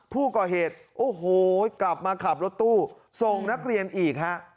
ผู้ก่อเหตุโอ้โหกลับมาขับรถตู้ส่งนักเรียนอีกฮะ